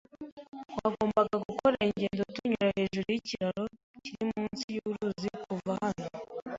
Twagombaga gukora ingendo tunyura hejuru yikiraro kiri munsi yuruzi kuva hano.